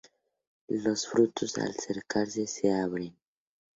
Los frutos al secarse se abren.